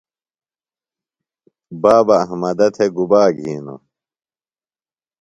بابہ احمدہ تھےۡ گُبا گِھینوۡ ؟